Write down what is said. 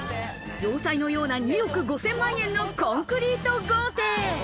要塞のような２億５０００万円のコンクリート豪邸。